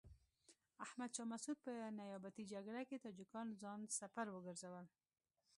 احمد شاه مسعود په نیابتي جګړه کې تاجکان ځان سپر وګرځول.